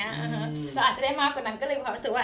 เราอาจจะได้มากกว่านั้นก็เลยมีความรู้สึกว่า